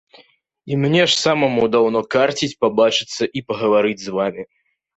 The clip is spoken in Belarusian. І мне ж самому даўно карціць пабачыцца і пагаварыць з вамі.